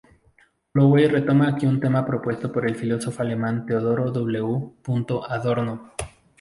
Holloway retoma aquí un tema propuesto por el filósofo alemán Theodor W. Adorno.